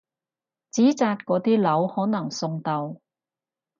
紙紮嗰啲樓可能送到！